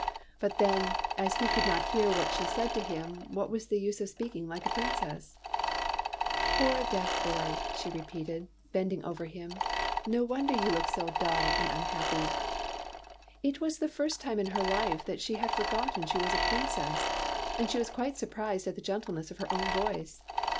But then, as he could not hear what she said to him, what was the use of speaking like a princess ?" Poor deaf boy !" she repeated, bending over him; "no wonder you look so dull and un happy !" It was the first time in her life that she had forgotten she was a princess, and she was quite surprised at the gentleness of her own voice.